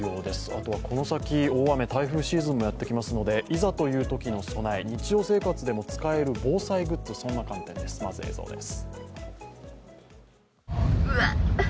あとはこの先、大雨、台風シーズンもやってきますのでいざというときの備え、日常生活でも使える防災グッズ、まず映像です。